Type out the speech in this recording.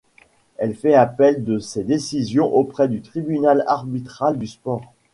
Elle fait appel de ces décisions auprès du Tribunal arbitral du sport.